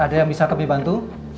ada yang bisa kami bantu